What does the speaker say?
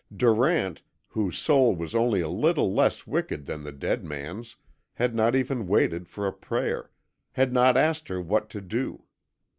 Durant, whose soul was only a little less wicked than the dead man's, had not even waited for a prayer had not asked her what to do.